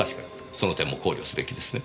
その点も考慮すべきですね。